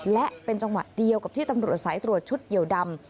และเป็นจังหวะเดียวกับที่ตำรวจสายตรวจชุดเหี่ยวดำ